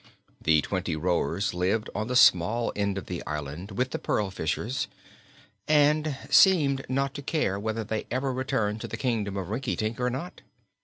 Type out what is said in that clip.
The twenty rowers lived on the small end of the island, with the pearl fishers, and seemed not to care whether they ever returned to the Kingdom of Rinkitink or not.